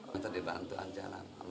minta dibantu aja